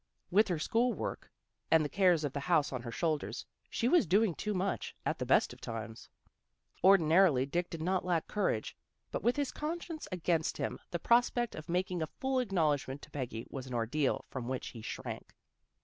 With her school work, and the cares of the house on her shoulders, she was doing too much, at the best of times. Ordinarily Dick did not lack courage, but with his conscience against him the prospect of making a full acknowledgment to Peggy was an ordeal from which he shrank.